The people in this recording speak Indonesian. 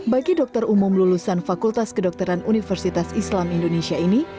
bagi dokter umum lulusan fakultas kedokteran universitas islam indonesia ini